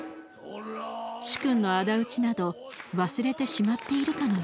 主君の仇討など忘れてしまっているかのよう。